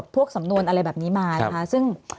สำนวนอะไรแบบนี้มานะคะซึ่ง